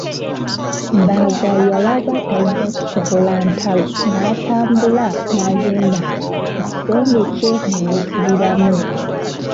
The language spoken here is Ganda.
Mbaaga yalaba tajja kusobola ntalo n'atambula n'agenda mu kisenge kye ne yeesibiramu.